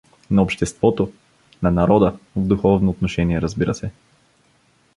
— На обществото… на народа, в духовно отношение, разбира се.